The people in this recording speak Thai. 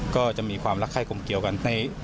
ก็จะมีความรักไข้กลมเกี่ยวกัน